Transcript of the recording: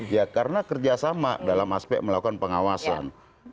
ya karena kerjasama dalam aspek melakukan pengawasan